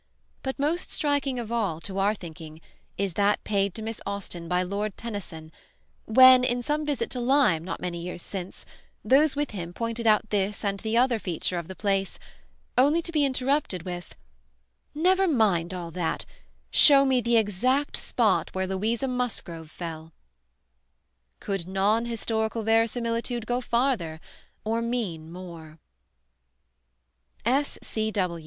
But most striking of all, to our thinking, is that paid to Miss Austen by Lord Tennyson when, in some visit to Lyme not many years since, those with him pointed out this and the other feature of the place only to be interrupted with "Never mind all that. Show me the exact spot where Louisa Musgrove fell!" Could non historical verisimilitude go farther or mean more?